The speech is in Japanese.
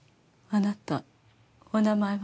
あなたお名前は？